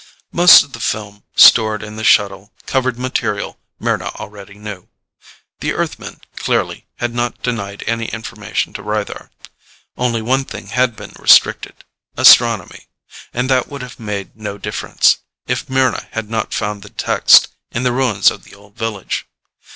Most of the film stored in the shuttle covered material Mryna already knew. The Earthmen, clearly, had not denied any information to Rythar. Only one thing had been restricted astronomy. And that would have made no difference, if Mryna had not found the text in the ruins of the Old Village.